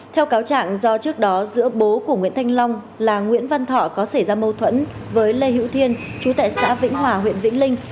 theo cáo trạng do trước đó giữa bố của nguyễn thanh long là nguyễn văn thọ có xảy ra mâu thuẫn với lê hữu thiên chú tại xã vĩnh hòa huyện vĩnh linh